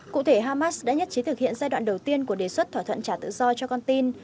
cụ thể hamas đã nhất trí thực hiện giai đoạn đầu tiên của đề xuất thỏa thuận trả tự do cho con tin